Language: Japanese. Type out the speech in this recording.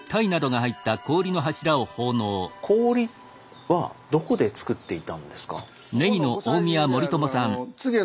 氷はどこでつくっていたんですか？